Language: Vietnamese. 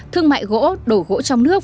thương mại gỗ đổ gỗ trong nước